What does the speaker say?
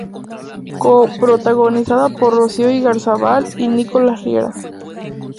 Co-protagonizada por Rocío Igarzábal y Nicolás Riera.